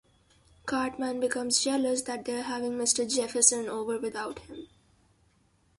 Cartman becomes jealous that they are having Mr. Jefferson over without him.